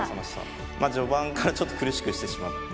ま序盤からちょっと苦しくしてしまって。